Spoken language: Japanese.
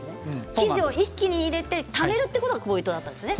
生地を一気に入れてためるということがポイントなんですよね。